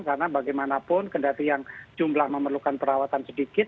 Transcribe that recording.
karena bagaimanapun kendari yang jumlah memerlukan perawatan sedikit